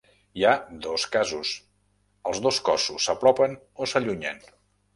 Hi ha dos casos: els dos cossos s'apropen o s'allunyen.